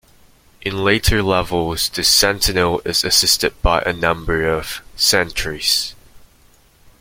In later levels, the Sentinel is assisted by a number of "Sentries".